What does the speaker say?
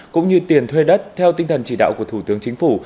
cũng như tiền thuê đất theo tinh thần chỉ đạo của thủ tướng chính phủ